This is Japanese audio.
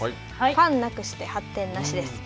ファンなくして発展なしです。